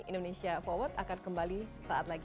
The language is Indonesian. indonesia forward akan kembali saat lagi